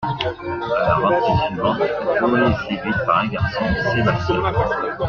À la rentrée suivante, Zoé est séduite par un garçon, Sébastien.